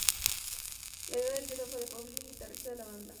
La idea del video fue de Pauli, guitarrista de la banda.